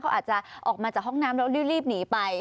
เขาอาจจะออกมาจากห้องน้ำแล้วรีบหนีไป